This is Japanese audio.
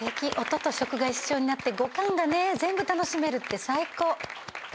音と食が一緒になって五感がね全部楽しめるって最高！